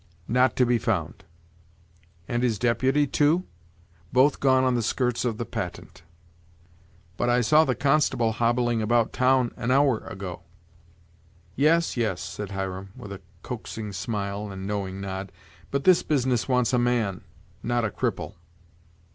"Not to be found." "And his deputy too?" "Both gone on the skirts of the Patent." "But I saw the constable hobbling about town an hour ago." "Yes, yes," said Hiram, with a coaxing smile and knowing nod, "but this business wants a man not a cripple."